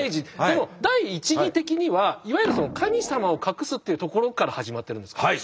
でも第一義的にはいわゆる神様を隠すっていうところから始まっているんですか。